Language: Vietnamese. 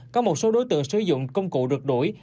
có một số đối tượng sử dụng công cụ rượt đuổi